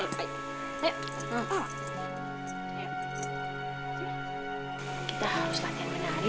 kita harus latihan menari